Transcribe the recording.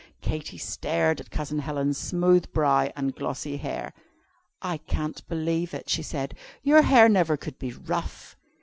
Katy stared at Cousin Helen's smooth brow and glossy hair. "I can't believe it," she said; "your hair never could be rough."